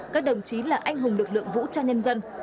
các đồng chí là anh hùng lực lượng vũ trang nhân dân